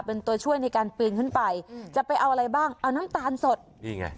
เป็นตัวช่วยในการปีนขึ้นไปจะไปเอาอะไรบ้างเอาน้ำตาลสดนี่ไง